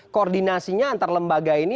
koordinasinya antar lembaga ini